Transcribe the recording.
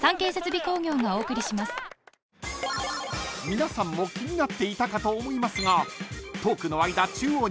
［皆さんも気になっていたかと思いますが］